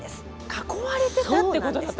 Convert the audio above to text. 囲われてたってことだったんですね。